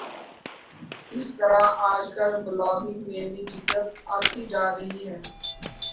اسی طرح آج کل بلاگنگ میں بھی جدت آتی جارہی ہے